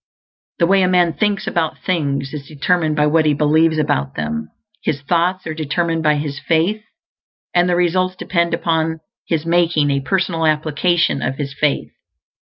The way a man thinks about things is determined by what he believes about them. His thoughts are determined by his faith, and the results depend upon his making a personal application of his faith.